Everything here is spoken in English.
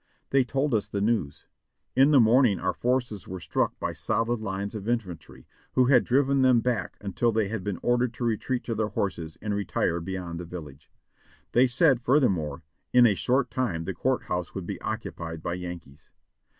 They told us the news : In the morning our forces were struck by solid lines of infantry, who had driven them back until they had been ordered to retreat to their horses and retire beyond the village. They said, furthermore, in a short time the court house would be occupied by Yankees.